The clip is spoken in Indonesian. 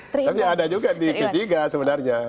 tapi ada juga di p tiga sebenarnya